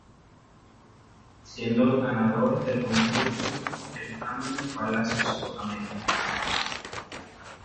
Siendo los ganadores del concurso el tándem Palacios-Otamendi.